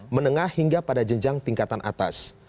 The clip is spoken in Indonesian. menengah hingga pada jenjang tingkatan atas